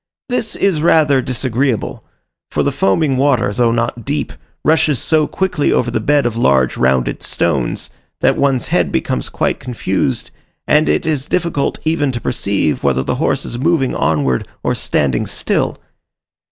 This is rather disagreeable, for the foaming water, though not deep, rushes so quickly over the bed of large rounded stones, that one's head becomes quite confused, and it is difficult even to perceive whether the horse is moving onward or standing still.